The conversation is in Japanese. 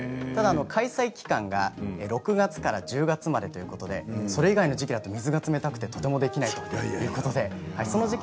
開催期間が６月から１０月までということでそれ以外の時期だと水が冷たくてとてもできないということです。